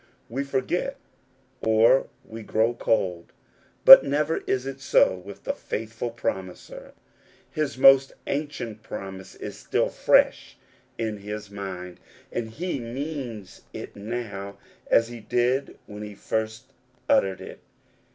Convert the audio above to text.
We forget, or we grow cold ; but never is it so with the Faithful Promiser. His most ancient promise is still fresh in his mind, and he means it now as he did when he first uttered it.